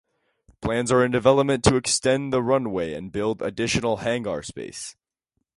Plans are in development to extend the runway and build additional hangar space.